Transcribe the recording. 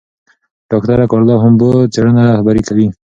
ډاکټره کارلا هومبو څېړنه رهبري کوي.